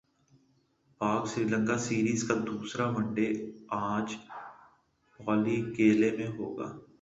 پاک سری لنکا سیریز کا دوسرا ون ڈے اج پالی کیلے میں ہوگا